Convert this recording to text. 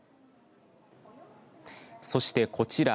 そして、こちら。